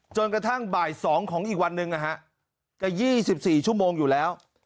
จนกระทั่งบ่าย๒ของอีกวันหนึ่งนะฮะก็๒๔ชั่วโมงอยู่แล้ว